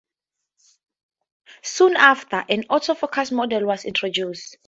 Soon after, an Auto-focus model was introduced.